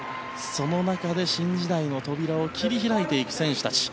その中で、新時代の扉を切り開いていく選手たち。